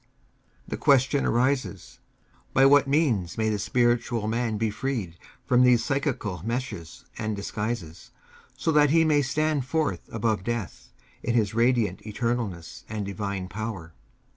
The question arises: By what means may the spiritual man be freed from these psychical meshes and disguises, so that he may stand forth above death, in his radiant eternalness and divine power?